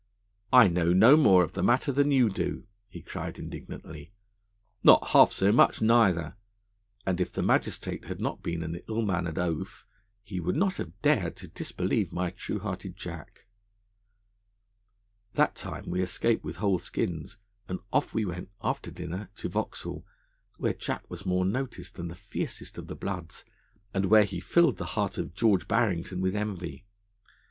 'I know no more of the matter than you do,' he cried indignantly, 'nor half so much neither,' and if the magistrate had not been an ill mannered oaf, he would not have dared to disbelieve my true hearted Jack. That time we escaped with whole skins; and off we went, after dinner, to Vauxhall, where Jack was more noticed than the fiercest of the bloods, and where he filled the heart of George Barrington with envy.